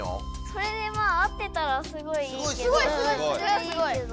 それで合ってたらすごいいいけど。